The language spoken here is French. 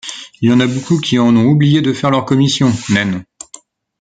Y’en a beaucoup qui en ont oublié de faire leur commission, naine !